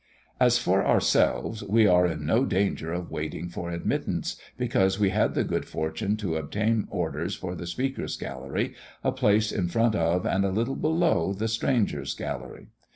As for ourselves, we are in no danger of waiting for admittance, because we had the good fortune to obtain orders for the Speaker's gallery, a place in front of, and a little below, the stranger's gallery.